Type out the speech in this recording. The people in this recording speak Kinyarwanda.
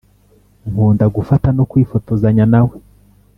nkunda gufata no kwifotozanya nawe